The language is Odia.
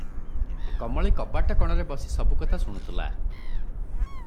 କମଳୀ କବାଟ କଣରେ ବସି ସବୁ କଥା ଶୁଣୁଥିଲା ।